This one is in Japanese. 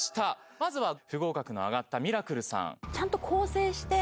まずは不合格の挙がったミラクルさん。